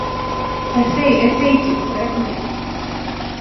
— Әсәй, әсәй, тим, кәрәкмәй.